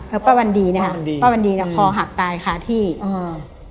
เพราะปะวันดีเนี่ยฮะปะวันดีปะวันดีเนี่ยคอหักตายค้าที่อืม